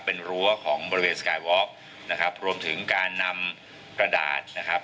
เป็นรั้วของบริเวณสกายวอล์กนะครับรวมถึงการนำกระดาษนะครับ